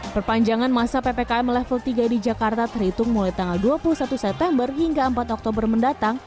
perpanjangan masa ppkm level tiga di jakarta terhitung mulai tanggal dua puluh satu september hingga empat oktober mendatang